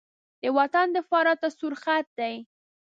د وطن دفاع راته سور خط دی.